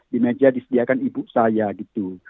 di meja disediakan ibu saya gitu